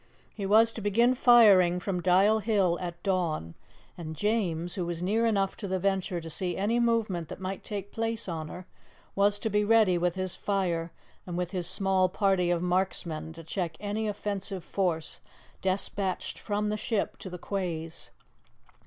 He was to begin firing from Dial Hill at dawn, and James, who was near enough to the Venture to see any movement that might take place on her, was to be ready with his fire and with his small party of marksmen to check any offensive force despatched from the ship to the quays.